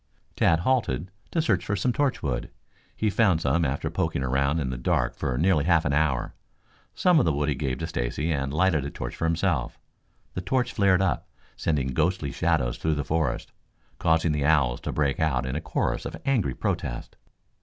Tad halted to search for some torch wood. He found some after poking around in the dark for nearly half an hour. Some of the wood he gave to Stacy, and lighted a torch for himself. The torch flared up, sending ghostly shadows through the forest, causing the owls to break out in a chorus of angry protest.